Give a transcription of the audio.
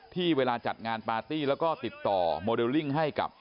ที่เวลาจัดงานปาร์ตี้แล้วก็ติดต่อโมเดลลิ่งให้กับ